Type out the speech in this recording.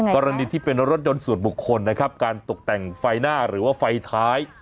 กรณีที่เป็นรถยนต์ส่วนบุคคลนะครับการตกแต่งไฟหน้าหรือว่าไฟท้าย